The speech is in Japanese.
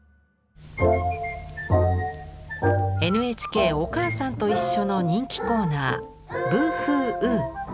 ＮＨＫ「おかあさんといっしょ」の人気コーナー「ブーフーウー」。